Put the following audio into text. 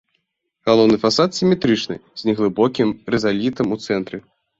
Галоўны фасад сіметрычны, з неглыбокім рызалітам у цэнтры.